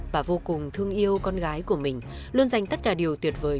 và vô cùng thương yêu con gái của mình luôn dành tất cả điều tuyệt vời